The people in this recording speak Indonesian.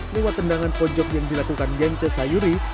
lewat tendangan pojok yang dilakukan gence sayuri